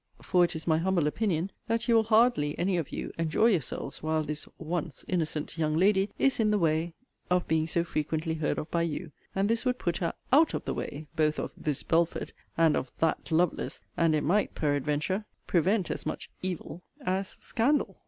For it is my humble opinion, that you will hardly (any of you) enjoy yourselves while this ('once' innocent) young lady is in the way of being so frequently heard of by you: and this would put her 'out of the way' both of 'this Belford' and of 'that Lovelace,' and it might, peradventure, prevent as much 'evil' as 'scandal.'